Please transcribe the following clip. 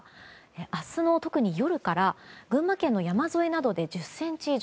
明日の特に夜から群馬県の山沿いなどで１０ｃｍ以上。